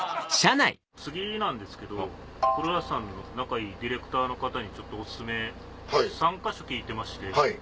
次なんですけど黒田さんの仲いいディレクターの方にお薦め３か所聞いてまして。